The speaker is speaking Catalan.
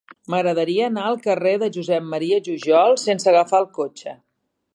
M'agradaria anar al carrer de Josep M. Jujol sense agafar el cotxe.